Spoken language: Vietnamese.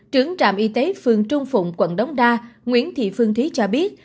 trưởng trạm y tế phường trung phụng quận đống đa nguyễn thị phương thí cho biết